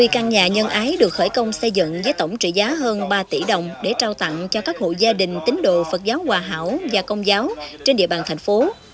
năm mươi căn nhà nhân ái được khởi công xây dựng với tổng trị giá hơn ba tỷ đồng để trao tặng cho các hộ gia đình tín đồ phật giáo hòa hảo và công giáo trên địa bàn thành phố